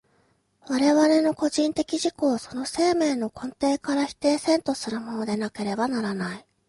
我々の個人的自己をその生命の根底から否定せんとするものでなければならない。